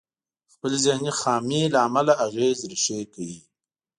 د خپلې ذهني خامي له امله اغېز ريښې کوي.